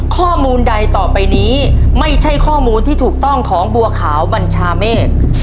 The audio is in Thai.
ข้อมูลใดต่อไปนี้ไม่ใช่ข้อมูลที่ถูกต้องของบัวขาวบัญชาเมฆ